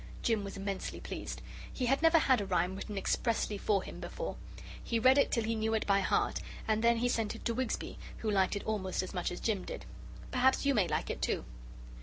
Jim was immensely pleased. He had never had a rhyme written expressly for him before. He read it till he knew it by heart and then he sent it to Wigsby, who liked it almost as much as Jim did. Perhaps you may like it, too.